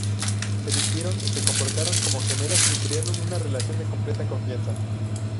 Se vistieron y se comportaron como gemelos, y crearon una relación de completa confianza.